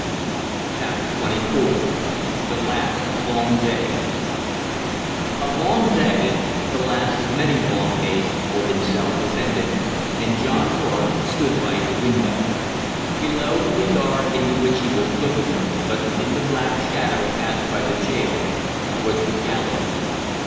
] CHAPTER TWENTY FOUR THE LAST LONG DAY A long day, the last of many long days he told himself, was ended, and John North stood by his window. Below in the yard into which he was looking, but within the black shadow cast by the jail, was the gallows.